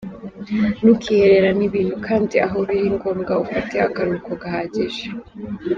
Ntukihererane ibintu kandi aho biri ngombwa ufate akaruhuko gahagije.